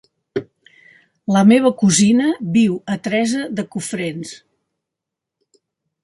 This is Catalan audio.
La meva cosina viu a Teresa de Cofrents.